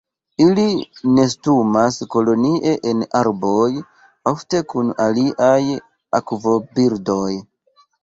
Ili nestumas kolonie en arboj, ofte kun aliaj akvobirdoj.